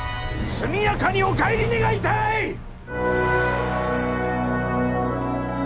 速やかにお帰り願いたい！